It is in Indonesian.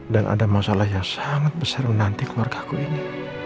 dan ada masalah yang sangat besar menantik keluarga ku ini